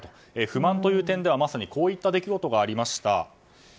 不満という点ではこういった出来事がありました。